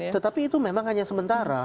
tetapi itu memang hanya sementara